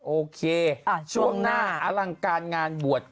โอเคช่วงหน้าอลังการงานบวช